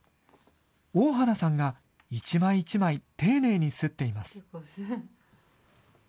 大原さんが一枚一枚丁寧に刷っています。